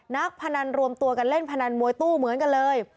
พนันรวมตัวกันเล่นพนันมวยตู้เหมือนกันเลย